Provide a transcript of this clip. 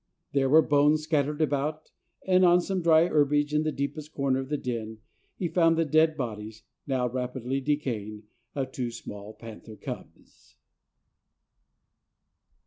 There were bones scattered about, and on some dry herbage in the deepest corner of the den, he found the dead bodies, now rapidly decaying, of two small panther cubs.